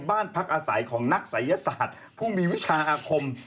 บ้านพักอาศัยของนักศัยศาสตร์ผู้มีวิชาอาคม